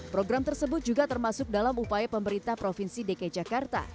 program tersebut juga termasuk dalam upaya pemerintah provinsi dki jakarta